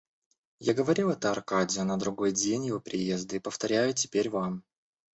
Я говорил это Аркадию на другой день его приезда и повторяю теперь вам.